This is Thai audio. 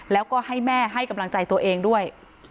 แล้วก็ให้แม่ให้กำลังใจตัวเองด้วย